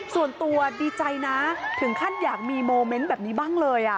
ส่วนตัวดีใจนะถึงขั้นอยากมีโมเมนต์แบบนี้บ้างเลย